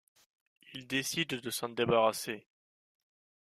Il décide de s'en débarrasser.